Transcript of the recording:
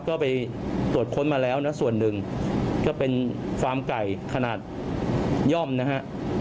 ก็ไปตรวจค้นมาแล้วนะส่วนหนึ่งก็เป็นฟาร์มไก่ขนาดย่อมนะฮะ